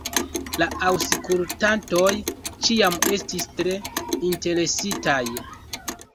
La aŭskultantoj ĉiam estis tre interesitaj.